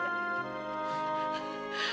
kamu sudah ingat